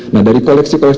nah dari koleksi koleksi